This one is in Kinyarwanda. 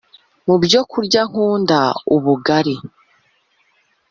mu byo kurya nkunda ubugali,